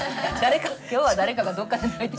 今日は誰かがどっかで泣いてる。